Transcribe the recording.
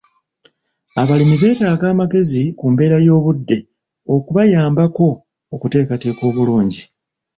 Abalimi beetaaga amagezi ku mbeera y'obudde okubayambako okuteekateeka obulungi